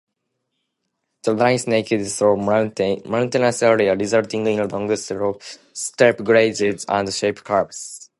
The line snaked through mountainous areas, resulting in long steep grades and sharp curves.